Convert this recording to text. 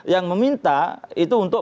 yang meminta itu untuk